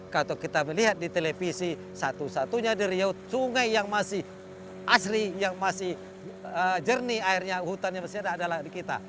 kalau kita melihat di televisi satu satunya di riau sungai yang masih asri yang masih jernih airnya hutan yang masih ada adalah di kita